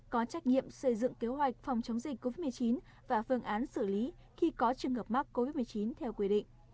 có trách nhiệm xây dựng kế hoạch phòng chống dịch covid một mươi chín và phương án xử lý khi có trường hợp mắc covid một mươi chín theo quy định